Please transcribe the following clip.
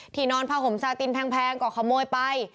นอนผ้าห่มซาตินแพงก็ขโมยไป